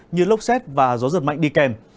như lốc xét và gió giật mạnh đi kèm